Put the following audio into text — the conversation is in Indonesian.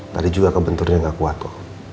tadi juga kebenturnya nggak kuat pak